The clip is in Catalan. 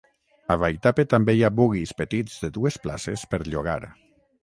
A Vaitape també hi ha buggies petits de dues places per llogar.